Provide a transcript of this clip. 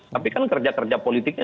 tapi kan kerja kerja politiknya